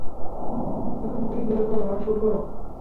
এখন গুলি বের করো, আর শ্যুট করো!